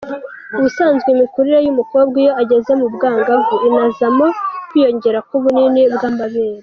Ubusanzwe imikurire y’umukobwa iyo ageze mu bwangavu, inazamo kwiyongera kw’ubunini bw’amabere.